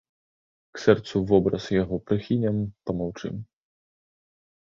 К сэрцу вобраз яго прыхінем, памаўчым.